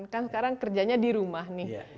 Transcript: kan sekarang kerjanya di rumah nih